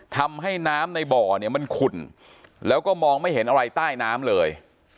ทำให้น้ำในบ่อเนี่ยมันขุ่นแล้วก็มองไม่เห็นอะไรใต้น้ำเลย